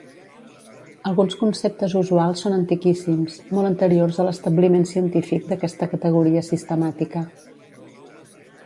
Alguns conceptes usuals són antiquíssims, molt anteriors a l'establiment científic d'aquesta categoria sistemàtica.